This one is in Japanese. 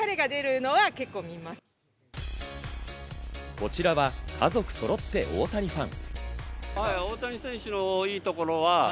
こちらは家族そろって大谷ファン。